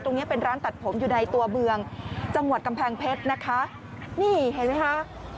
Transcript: เนี้ยเป็นร้านตัดผมอยู่ในตัวเมืองจังหวัดกำแพงเพชรนะคะนี่เห็นไหมคะ